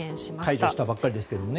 解除したばかりですがね。